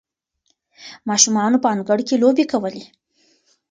ماشومانو په انګړ کې لوبې کولې.